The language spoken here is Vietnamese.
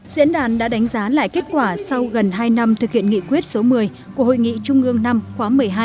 diễn đàn đã đánh giá lại kết quả sau gần hai năm thực hiện nghị quyết số một mươi của hội nghị trung ương năm khóa một mươi hai